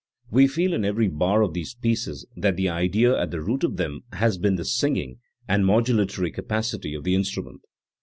We feel in every bar of these pieces that the idea at the root of them has been the singing and modulatory capacity of the instrument.